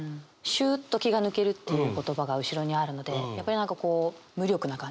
「シューッと気が抜ける」っていう言葉が後ろにあるのでやっぱり何かこう無力な感じがあるというか。